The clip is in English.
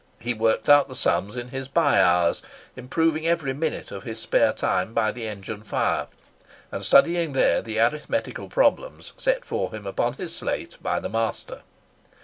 He worked out the sums in his bye hours, improving every minute of his spare time by the engine fire, and studying there the arithmetical problems set for him upon his slate by the master.